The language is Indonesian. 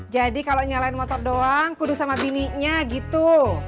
jadi kalau nyalain motor doang kudus sama bininya gitu